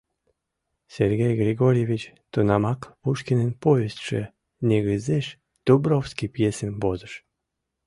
Сергей Григорьевич тунамак Пушкинын повестьше негызеш «Дубровский» пьесым возыш.